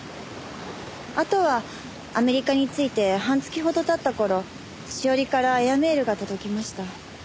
あとはアメリカに着いて半月ほど経った頃詩織からエアメールが届きました。